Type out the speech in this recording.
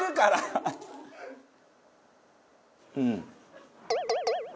うん。